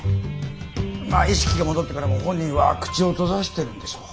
まあ意識が戻ってからも本人は口を閉ざしてるんでしょ。